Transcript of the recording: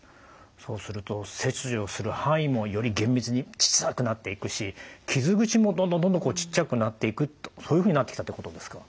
そうすると切除する範囲もより厳密にちっさくなっていくし傷口もどんどんどんどんちっちゃくなっていくとそういうふうになってきたってことですか？